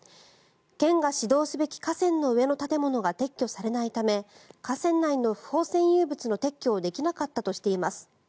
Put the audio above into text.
県が指導すべき河川の上の建物が撤去されないため河川内の不法占有物の撤去をできなかったとしています。